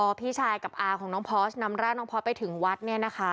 พอพี่ชายกับอาของน้องพอสนำร่างน้องพอร์ตไปถึงวัดเนี่ยนะคะ